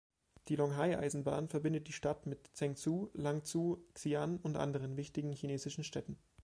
Die Longhai-Eisenbahn verbindet die Stadt mit Zhengzhou, Lanzhou, Xi'an und anderen wichtigen chinesischen Städten.